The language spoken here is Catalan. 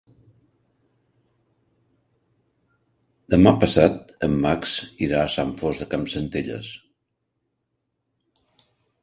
Demà passat en Max irà a Sant Fost de Campsentelles.